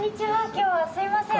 今日はすいません。